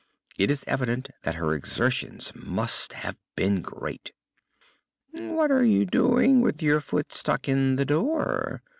It is evident that her exertions must have been great. "What are you doing with your foot stuck in the door?"